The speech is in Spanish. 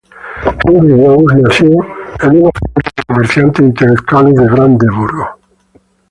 Heinrich Rose nació en una familia de comerciantes e intelectuales de Brandenburgo.